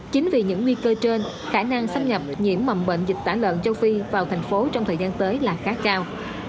chính vì những nguy cơ trên khả năng xâm nhập nhiễm mầm bệnh dịch tả lợn châu phi vào thành phố trong thời gian tới là khá cao